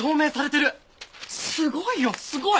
すごいよすごい！